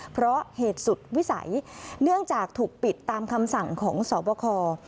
เพราะเหตุสุดวิสัยเนื่องจากถูกปิดตามคำสั่งของสอบคอ